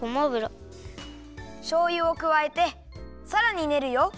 しょうゆをくわえてさらにねるよ！